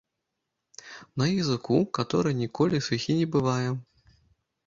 На языку, каторы ніколі сухі не бывае.